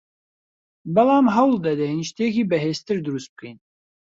بەڵام هەوڵدەدەین شتێکی بەهێزتر دروست بکەین